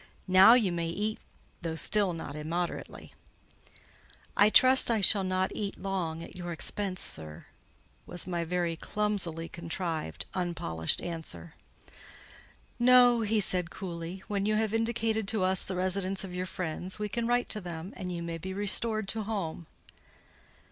Now you may eat, though still not immoderately." "I trust I shall not eat long at your expense, sir," was my very clumsily contrived, unpolished answer. "No," he said coolly: "when you have indicated to us the residence of your friends, we can write to them, and you may be restored to home."